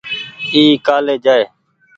اي ڪآلي جآئي۔